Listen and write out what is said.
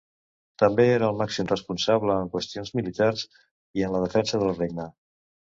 També era el màxim responsable en qüestions militars i en la defensa del regne.